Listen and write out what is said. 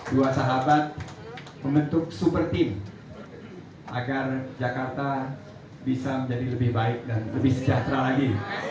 dua sahabat membentuk super team agar jakarta bisa menjadi lebih baik dan lebih sejahtera lagi